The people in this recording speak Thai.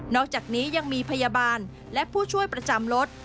อกจากนี้ยังมีพยาบาลและผู้ช่วยประจำรถ